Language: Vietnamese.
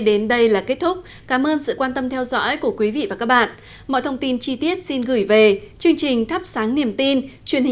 xin kính chào và hẹn gặp lại các quý vị và các bạn trong các chương trình tiếp theo